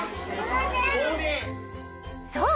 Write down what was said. そう！